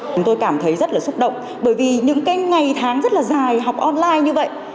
chúng tôi cảm thấy rất là xúc động bởi vì những cái ngày tháng rất là dài học online như vậy